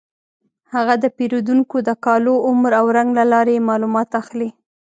هغه د پیریدونکو د کالو، عمر او رنګ له لارې معلومات اخلي.